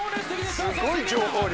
すごい情報量。